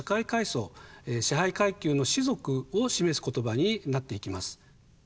支配階級の士族を示す言葉になっていきます。